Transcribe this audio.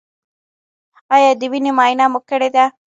ایا د وینې معاینه مو کړې ده؟